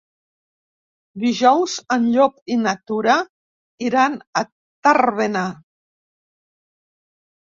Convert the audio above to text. Dijous en Llop i na Tura iran a Tàrbena.